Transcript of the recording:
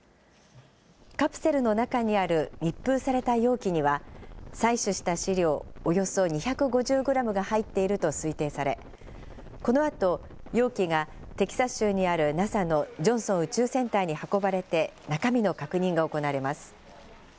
カプセルの中にある密封された容器には、採取した試料およそ２５０グラムが入っていると推定され、このあと、容器がテキサス州にあるＮＡＳＡのジョンソン宇宙センターに運ばれて中身の確認が行われます。